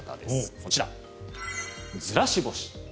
こちら、ずらし干し。